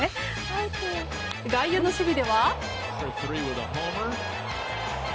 外野の守備では。